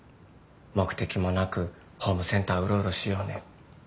目的もなくホームセンターうろうろしようね。